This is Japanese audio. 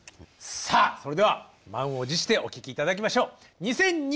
さあそれでは満を持してお聴き頂きましょう。